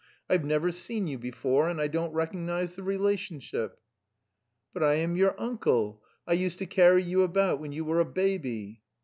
I've never seen you before and I don't recognise the relationship." "But I am your uncle; I used to carry you about when you were a baby!"